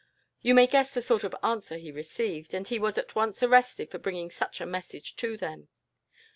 You may guess the sort of answer he received, and he was at once arrested for bringing such a message to them.